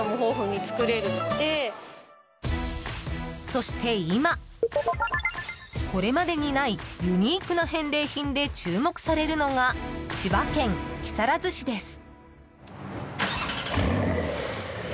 そして今、これまでにないユニークな返礼品で注目されるのが千葉県木更津市です。